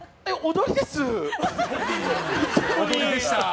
踊りでした。